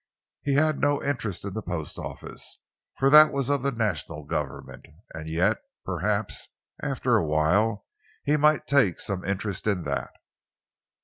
He had no interest in the post office, for that was of the national government—and yet, perhaps, after a while he might take some interest in that.